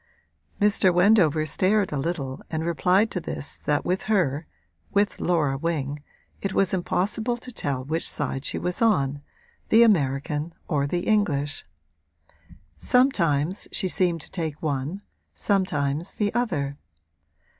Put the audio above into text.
Mr. Wendover stared a little and replied to this that with her with Laura Wing it was impossible to tell which side she was on, the American or the English: sometimes she seemed to take one, sometimes the other.